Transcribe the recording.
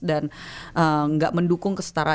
dan gak mendukung keseluruhan orang